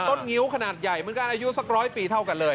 งิ้วขนาดใหญ่เหมือนกันอายุสักร้อยปีเท่ากันเลย